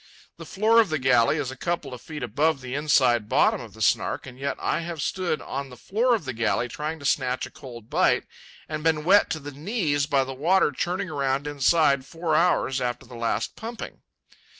The floor of the galley is a couple of feet above the inside bottom of the Snark; and yet I have stood on the floor of the galley, trying to snatch a cold bite, and been wet to the knees by the water churning around inside four hours after the last pumping.